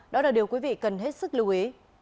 đó là điều quý vị cần hết sức lưu ý